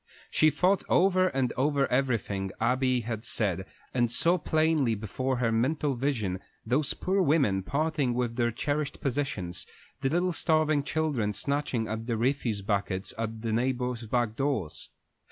She thought over and over everything Abby had said, and saw plainly before her mental vision those poor women parting with their cherished possessions, the little starving children snatching at the refuse buckets at the neighbors' back doors.